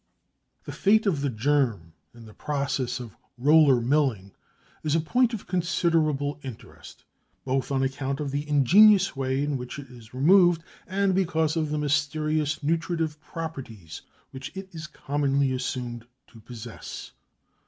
The fate of the germ in the process of roller milling is a point of considerable interest, both on account of the ingenious way in which it is removed, and because of the mysterious nutritive properties which it is commonly assumed to possess.